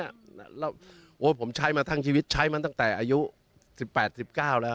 แล้วผมใช้มาทั้งชีวิตใช้มาตั้งแต่อายุ๑๘๑๙แล้ว